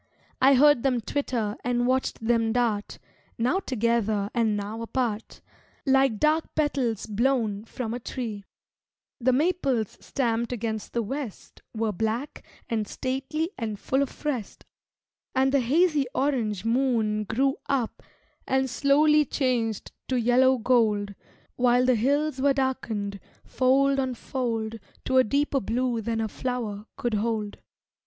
I heard them twitter and watched them dart Now together and now apart Like dark petals blown from a tree; The maples stamped against the west Were black and stately and full of rest, And the hazy orange moon grew up And slowly changed to yellow gold While the hills were darkened, fold on fold To a deeper blue than a flower could hold.